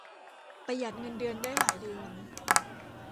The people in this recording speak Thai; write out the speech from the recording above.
ประหยัดเงินเดือนได้หลายเดือน